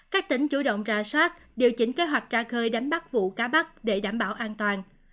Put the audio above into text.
các tỉnh chủ động ra soát điều chỉnh kế hoạch ra khơi đánh bắt vụ cá bắt để đảm bảo an toàn